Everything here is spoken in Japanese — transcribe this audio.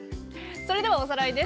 それではおさらいです。